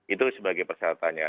itu sebagai persyaratannya